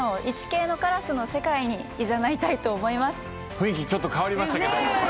雰囲気ちょっと変わりましたけど。